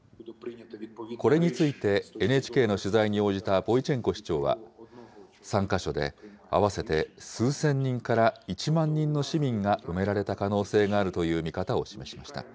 これについてＮＨＫの取材に応じたボイチェンコ市長は、３か所で合わせて数千人から１万人の市民が埋められた可能性があるという見方を示しました。